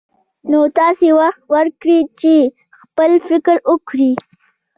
نو تاسې وخت ورکړئ چې خپل فکر وکړي.